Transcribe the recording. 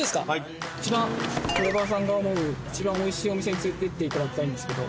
ドライバーさんが思う一番おいしいお店に連れていっていただきたいんですけど。